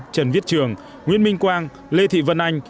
trần viết trường nguyễn minh quang lê thị vân anh